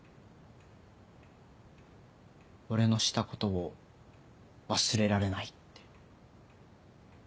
俺のしたことを忘れられないって。